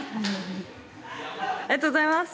ありがとうございます。